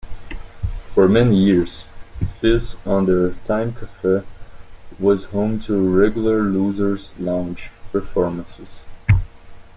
For many years Fez under Time Cafe was home to regular Loser's Lounge performances.